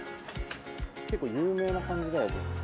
結構有名な感じだよ絶対。